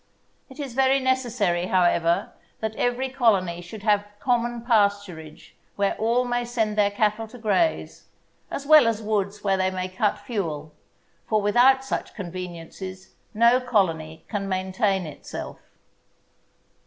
It is very necessary, however, that every colony should have common pasturage where all may send their cattle to graze, as well as woods where they may cut fuel; for without such conveniences no colony can maintain itself.